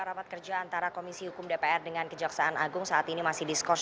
rapat kerja antara komisi hukum dpr dengan kejaksaan agung saat ini masih diskursus